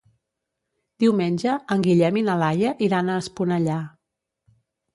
Diumenge en Guillem i na Laia iran a Esponellà.